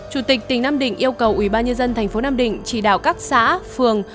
chủ tịch tỉnh nam định yêu cầu ubnd thành phố nam định chỉ đạo các xã phường